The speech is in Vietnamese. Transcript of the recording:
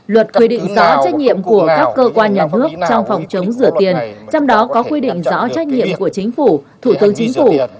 luật quy định rõ trách nhiệm của các cơ quan nhà nước trong phòng chống rửa tiền trong đó có quy định rõ trách nhiệm của chính phủ thủ tướng chính phủ